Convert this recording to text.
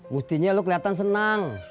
mustinya lo kelihatan senang